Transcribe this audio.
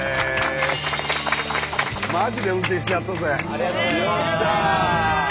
ありがとうございます！